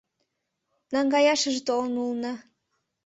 Наҥгаяшыже толын улна.